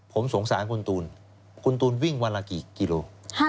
ผมสงสารคุณตูนคุณตูนวิ่งวันละกี่กิโล